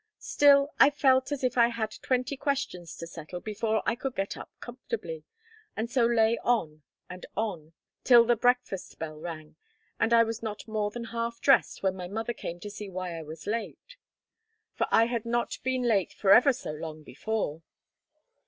Still I felt as if I had twenty questions to settle before I could get up comfortably, and so lay on and on till the breakfast bell rang: and I was not more than half dressed when my mother came to see why I was late; for I had not been late forever so long before.